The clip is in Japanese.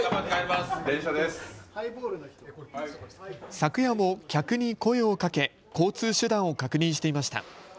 昨夜も客に声をかけ交通手段を確認していました。